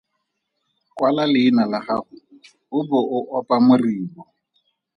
Kwala leina la gago o bo o opa moribo.